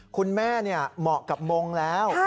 คุณแม่เหมาะกับมงด์แล้ว